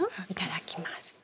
いただきます。